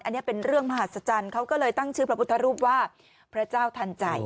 อันนี้เป็นเรื่องมหัศจรรย์เขาก็เลยตั้งชื่อพระพุทธรูปว่าพระเจ้าทันใจ